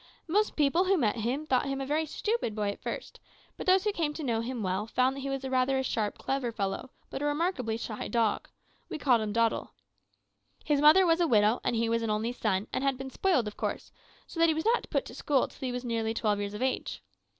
Most people who met him thought him a very stupid boy at first; but those who came to know him well found that he was rather a sharp, clever fellow, but a remarkably shy dog. We called him Doddle. "His mother was a widow, and he was an only son, and had been spoiled, of course, so that he was not put to school till he was nearly twelve years of age.